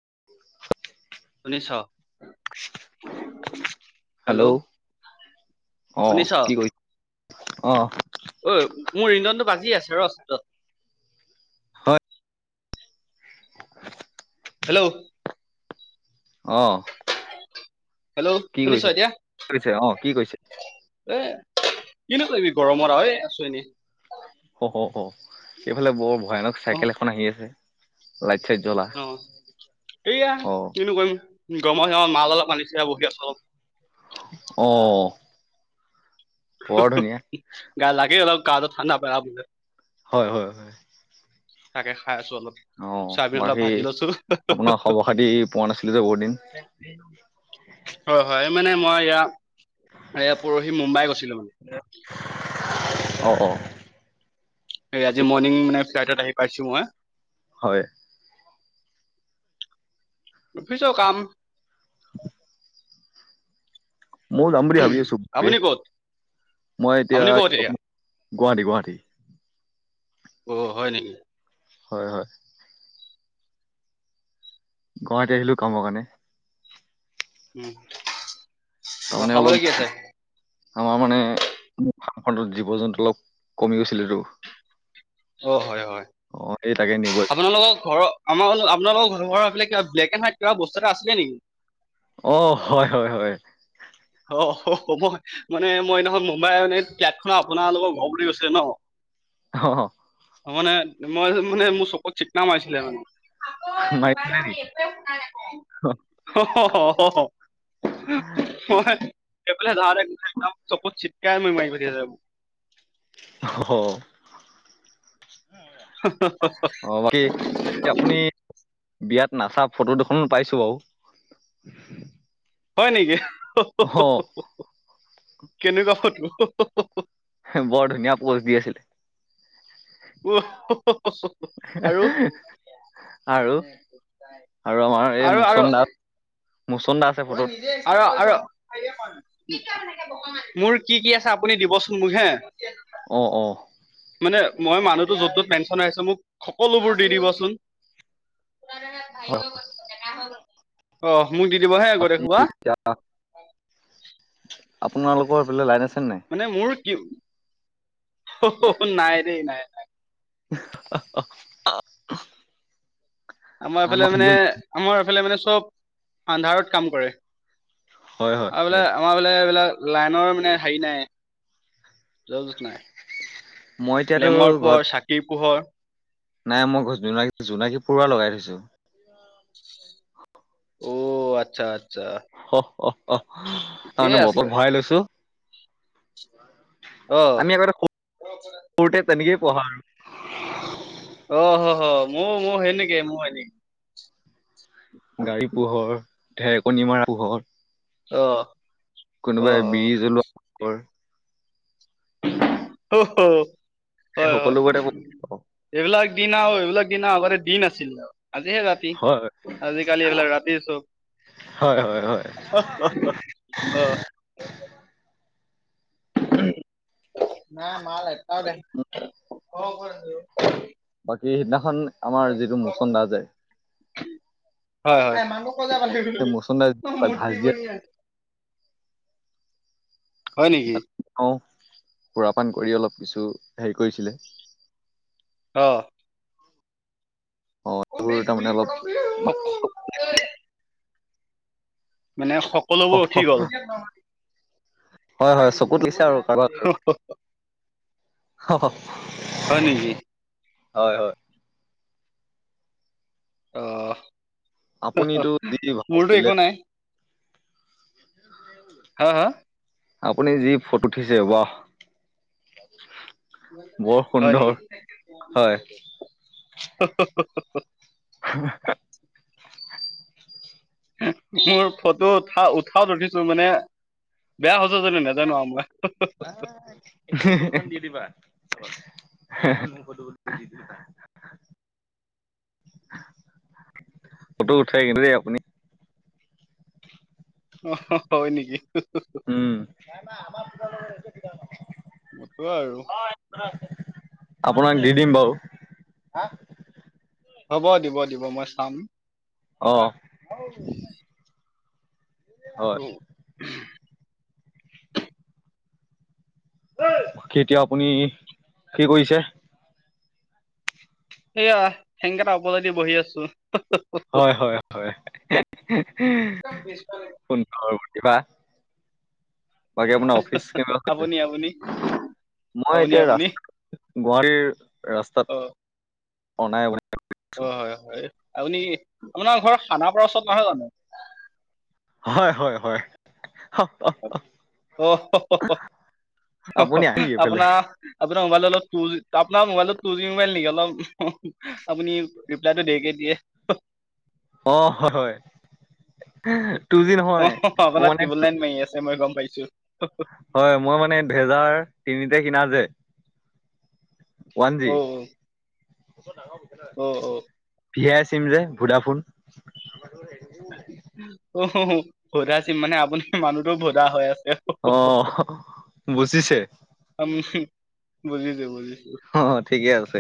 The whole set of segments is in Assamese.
[inaudible] শুনিছ? হেল্ল', আহ, কি কৰিছ আহ অ' মোৰ ইন্ধনটো বাজি আছে ৰ হয় হেল্ল' অ'। হেল্ল' কি শুনিছ কৰিছ এতিয়া কৰিছে অ কি কৰিছে এ কিনো কৰিবি গৰমত আছো এনে অ', অ', অ', এফালে বৰ ভয়ানক অ চাইকেল এখন আহি আছে লাইট চাইট জ্বলা অ' সেইয়া অ কিনো কৰিম গৰমৰ [unintelligible] মাল অলপ আানিছে বহি আছো আৰু অ' বৰ ধুনীয়া গাল লাগে অলপ গাটো ঠাণ্ডা পেলাবলে হয় হয় হয়। তাকে খাই আছো অলপ অ চয়াবিন অলপ বাকী ভাজি লৈছো আপোনাৰ খবৰ খাতি পোৱা নাছিলো যে বহুত দিন হয় হয় মানে মই এয়া এয়া পৰহি মুম্বাই গৈছিলো মানে [inaudible] এই বাকী আজি মৰ্ণিং মানে ফ্লাইটত আহি পাইছো মই হয় অফিছৰ কাম [inaudible] ময় যাম বুলি বুলি ভাবি আছো বে আপুনি ক'ত মই এতিয়া আপুনি ক'ত এতিয়া গুৱাহাটী গুৱাহাটী অ' হয় নেকি হয় হয়। গুৱাহাটী আহিলো কামৰ কাৰণে উম অ' তাৰমানে অলপ খাবলৈ কি আছে আমাৰ মানে জীৱ জন্তু অলপ কমি গৈছিলেটো অ' হয় হয় নিব আপোনালোকৰ ঘৰ আমাৰ আপোনালোক ঘৰ কিবা ব্লেক এড হাইট কিবা বস্তু এটা আছিলে নেকি অ' হয় হয় হয় অ' মই মানে মই এইদিনাখন মুম্বাইৰ মানে ফ্লেট খনৰ আপোনালোকৰ ঘৰ পিনে গৈছিলে নহ অ' অ' মানে মই মানে মোৰ চকুত চিকনা মাৰিছিলে মানে অ' মাৰিছিলে নি অহ অহ হয়। হেফালে ধাতে চকুত চিটকায় মাই পঠাইছিলে মোৰ হ হ আপুনি [inaudible] বিয়াত নাচা ফটো দুখোন পাইছো বাৰু হয় নেকি অহ কেনেকুৱা ফটো অহ অহ বৰ ধুনীয়া পোষ্ট দি আছিলে উহ উহ উহ আৰু আৰু আৰু আমাৰ এই আৰু আৰু মুচন দা মুচন দা আছে তই ফটোত নিজেই আৰু আৰু মোৰ কি কি আছে আপুনি দিবচোন মোক হে অ', অ' মানে মই মানুহটো য'ত য'ত পেঞ্চন আহিছে মোক সকলোবোৰ দি দিবচোন হয় অ' মোক দি দিব হে গৈতে বাকী সোপা এতিয়া আপোনালোকৰ হেফালে লাইন আছেনে মানে মোৰ কি নাই দেই নাই নাই আহ আহ আমাৰ এইফালে মানে আমাৰ এইফালে মানে চব আন্ধাৰত কাম কৰে। হয় হয় আবলে হয় আমাৰ বলেবলে লাইনৰ মানে হেৰি নাই যত নাই। মই এতিয়াতো লেমৰ ঘৰত পোহৰ চাকিৰ পোহৰ নাই মই ঘৰত জোনাক জোনাকী পৰুৱা লগাই থৈছো। অ', আচ্ছা। আচ্ছা অহ অহ অহ তাৰ ঠিকেই মানে আছে বটলত ভৰাই লৈছো। অ আমি আগতে সত সৰুতে তেনেকেই পঢ়া আৰু। অ', হ হ মই মই সেনেকে মই এনে গাড়ী পোহৰ ঢেৰেকণী মৰা পোহৰ অ'। অ অ কোনোবাই বিৰিজলোৱা পোহৰ। হ হ এই হয় হয় সকলোবোৰতে পাওঁ। এইবিলাক দিন আৰু এইবিলাক দিন আগতে দিন আছিল আৰু। আজিহে ৰাতি হয় আজিকালি এইবিলাক ৰাতি চব। হয় হয় হয় অহ অহ অহ। নাই মাল এটাও দেখা ক কৰ সিদিনাখন আমাৰ যিটো মোচন্দা যে হয় হয় মাকো কজাব অ', সেই মুচন্দা ভাজ মূৰ্তি দিয়া বনি আছে। হয় নেকি? অ সুৰাপান কৰি অলপ কিছু হেৰি কৰিছিলে। আহ। অ বে এইবোৰ গুল তাৰমানে প অলপ [unintelligible] মানে সকলোবোৰ উঠি গ'ল। হয় হয় চকুত লাগিছে আৰু কাৰোবাৰ ব কাৰোবাৰ। [unintelligible] হয় নেকি? হয় হয়। আহ আপুনিতো যি ভাজ মোৰতো দিলে একো নাই। [inaudible] হা হা আপুনি যি ফটো উঠিছে বাহ। বৰ হয় সুন্দৰ নেকি? হয় [inaudible] মোৰ ফটো উঠা উঠাত উঠিছো মানে বেয়া হ'ল। বাহ। ফ [unintelligible] ফটো উঠে কিন্ত দেই আপুনি। আহ হা হয় নেকি? অ [unintelligible] উঠো আৰু। আপোনাক দি দিম বাৰু। হ'ব দিব দিব মই চাম। অহ। অ [unintelligible] এতিয়া আপুনি কি কৰিছে? সেয়া ঠেংকেটা উপৰলে দি বহি আছো। হয় হয় হয় সুন্দৰ। কিবা বাকী আপোনাৰ অফিচ কেনেকুৱা চলিছে? আপুনি আপুনি মই আপুনি এতিয়া আপুনি ৰাস্তাত গুৱাহাটীৰ ৰাস্তাত অ অনাইবনাই অ', হয় হয় আপুনি আপোনাৰ ঘৰ খানা পৰা ওচৰত নহয় জানো? হয়, হয়, হয়। অ, আপুনি আহে নেকি এইফালে? আপোনাৰ আপোনাৰ মোবাইলডালত আপোনাৰ মোবাইলটোত টুজি মোবাইল নেকি অলপ আপুনি ৰিপ্লাইটো দেৰিকে দিয়ে। অ, হয়, হয়। টু জি অ, নহয় মোৰ আপোনাৰ মানে টিউবুল লাইন মাৰি আছে মই গম পাইছো। হয় মই মানে ভেজাৰ তিনিতে কিনা যে। ওৱান অ জি। অ অ ভিয়াই চিম যে ভুদাফোন। অহ হ ভোদা চিম মানে আপোনি মানুহটো ভোদা হৈ আছে। অহ বুজিছে। বুজিছে বুজিছে। অ, ঠিকে আছে।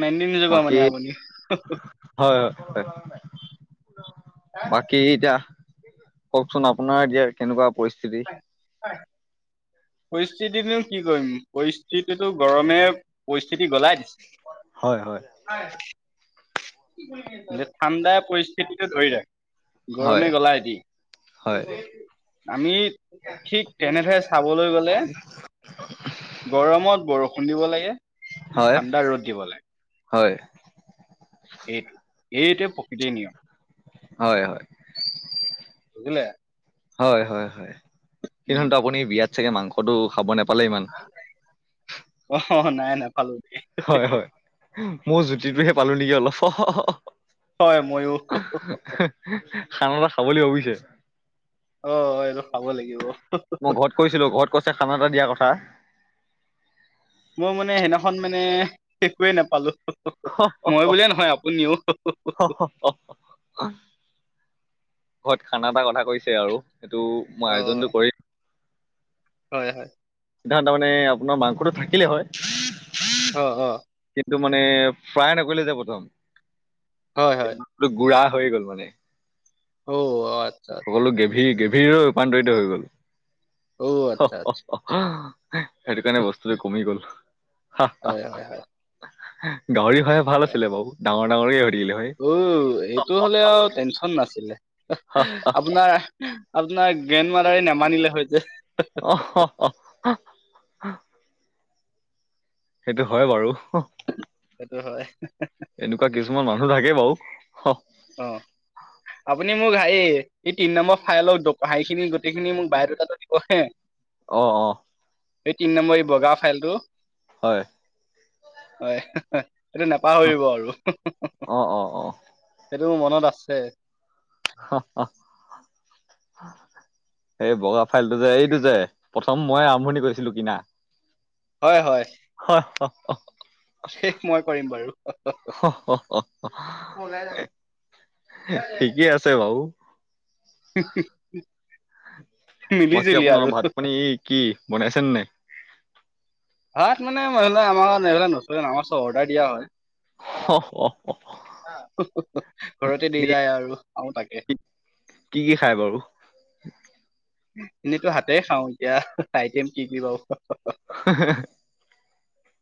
মেইনটেইন নকৰা মানে বাকী আপুনি হয়, হয়, হয়। বাকী এতিয়া কওকচোন আপোনাৰ এতিয়া কেনেকুৱা পৰিস্থিতি। পৰিস্থিতিটো কি কৰিম পৰিস্থিতিটো গৰমে পৰিস্থিতি গলাই দিছে। হয়, হয়। ঠাণ্ডা পৰিস্থিতিটো ধৰি ৰাখে। হয় গৰমে গলাই হয় দিয়ে আমি ঠিক তেনেদৰে চাবলৈ গলে গৰমত বৰষুণ খুন্দিব লাগে হয় ঠাণ্ডা ৰ'দ দিব লাগে। হয়। এইটো এইটোৱ প্ৰকৃতিৰ নিয়ম। হয়, হয়। বুজিলে। হয়, হয়, হয়, উম সেইহো আপুনি বিয়াত চাগে মাংসতটো খাব নাপ পালেমান। অ', নাই নাই। হয়, হয়, মোৰ জুতিটোহে পালো নেকি অলপ হয় মইয়ো খান এটা খাবলৈ ভাবিছে। অ, এই খাব লাগিব। মই ঘৰত কৈছিলো ঘৰত কৈছে খানা এটা দিয়াৰ কথা। মই মানে সেইদিখন মানে একোৱেই নাপালো। মই বুলিয়ে নহয় আপুনিও। অ। ঘৰত খানা এটা কথা কৈছে আৰু সেইটো মই অ আয়োজনটো কৰিম। হয় হয়। সি তাৰমানে আপোনাৰ মাংসটো থাকিলেই হয়। অ', অ'। টো মানে ফ্ৰাই নকৰিলে যে প্ৰথম হয় হয় গু়া হৈ গ'ল মানে। অ' আচ্ছা আচ্ছা। ভিৰ ৰূপান্তৰিত হৈ গ'ল। অ, আচ্ছা আচ্ছা। সেইটো কাৰণে বস্তুটো কমি গ'ল। হয় হয় হয় গাউৰি হয়ে ভাল আছিলে বাৰু ডাঙৰ ডাঙৰে উ, এইটো হলে আৰু টেনশন নাছিলে হা আপোনাৰ আপোনাৰ গেনমাৰাৰে নেমানিলে হয় যে। অ'। সেইটো হয় বাৰু। টো হয়। এনেকুৱা কিছুমান মানুহ থাকে বাৰু [unintelligible] অ'। আপুনি মোক হে এই তিনি নম্বৰ ফাইলৰ হেৰিখিনি গোটেইখিনি মোক বায়ডটাটো দিব হে। অ', অ'। এই তিনি নম্বৰ এই বগা ফাইলটো। হয়। হয় সেইটো নাপাহৰিব আৰু। অ অ অ সেইটো মোৰ মনত আছে। [inaudible] এই বগা ফাইলটো যে এইটো যে প্ৰথম মই আৰম্ভণি কৰিছিলো কিনা। হয়, হয়। [inaudible] শেষ মই কৰিম বাৰু ওলাই যাম। ঠিকেই আছে বাৰু। [inaudible] মিলি বাকী জুলি আৰু আপোনাৰ ভাত পানী কি বনাইছে নে? ভাত মানে সেইবিলাক আমাৰ এইবিলাক নচলে নহয়, অৰ্ডাৰ চব দিয়া হয়। [inaudible] ঘৰতে দি আপুনি যায় আৰু অ' তাকে। কি কি খাই বাৰু? এনেতো হাতে খাওঁ এতিয়া আইটেম কি কি বাৰু।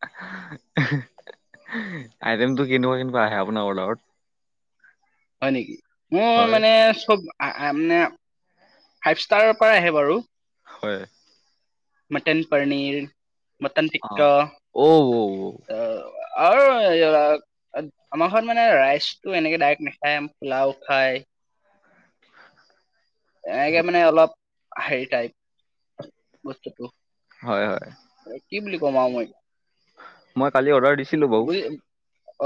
[inaudible] আইটেমতটো কেনেকুৱা কেনেকুৱা আহে আপোনাৰ অৰ্ডাৰত? হয়, নেকি? মোৰ হয় মানে চব আহ মানে ফাইভ ষ্টাৰৰ পৰা আহে বাৰু। হয়। মটন পনীৰ মটন অ টিক্কা অ আহ। আৰু আমাৰ ঘৰত মানে ৰাইচটো এনেকে ডাইৰেক্ট নাখায় পোলাও খায়। এনেকে মানে অলপ হেৰি টাইপ বস্তুটো। হয়, হয়। এ, কি বুলি কম আৰু মই। মই কালি অৰ্ডাৰ দিছিলো বাৰু। বুজি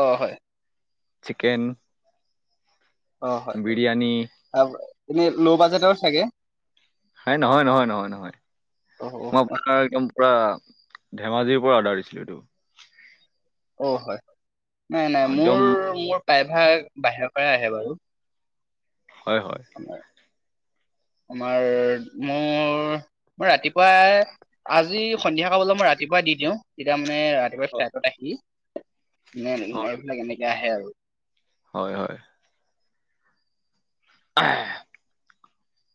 অ', হয়। চিকেন। অ', হয় হয় বিৰিয়ানী এনে ল' বাজেটৰ চাগে? হেই নহয় নহয় নহয় নহয় অ' মই অ' আপোনাৰ একদম পুৰা ধেমাজিৰ পৰা অৰ্ডাৰ দিছিলো এইটো। অ', হয়, নাই নাই মোৰ একদম মোৰ প্ৰায়ভাগ বাহিৰৰ পৰা আহে বাৰু। হয়, হয়। তোমাৰ মোৰ মই ৰাতিপুৱাই আজি সন্ধিয়া সময়লৈ মই ৰাতি ৰাতিপুৱা দি দিওঁ। তেতিয়া মানে ৰাতিপুৱা ফ্লাইটত আহি ন-ন নাই হয় এইবিলাক এনেকে আহে আৰু। হয়, হয়।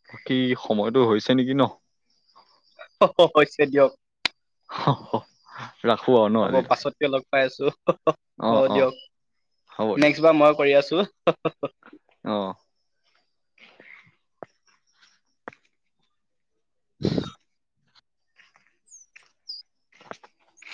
বাকী সময়টো হৈছে নেকি ন? অ', হৈছে দিয়ক। [inaudible] আৰু ন হ'ব আজিলৈ পাছতকে লগ পাই আছো অঁ অ' অঁ দিয়ক। হ'ব দিয়ক নেক্সট বাৰ মই কৰি আছো। অঁ [inaudible] [inaudible]